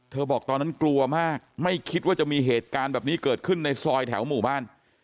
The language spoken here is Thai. บอกตอนนั้นกลัวมากไม่คิดว่าจะมีเหตุการณ์แบบนี้เกิดขึ้นในซอยแถวหมู่บ้าน